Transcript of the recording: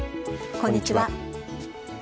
こんにちは。